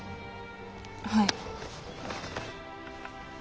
はい。